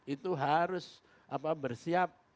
itu harus bersiap